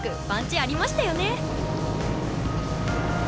パンチありましたよね！